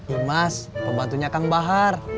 imas pembantunya kang bahar